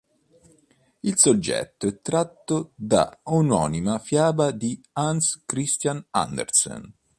Il soggetto è tratto da omonima fiaba di Hans Christian Andersen.